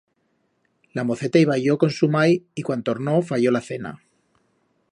La moceta i vayió con su mai y cuan tornó, fayió la cena.